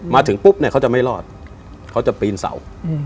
มาถึงปุ๊บเนี่ยเขาจะไม่รอดเขาจะปีนเสา